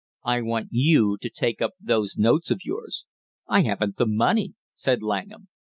I want you to take up those notes of yours." "I haven't the money!" said Langham.